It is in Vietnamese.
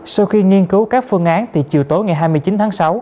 sau khi nghiên cứu các phương án thì chiều tối ngày hai mươi chín tháng sáu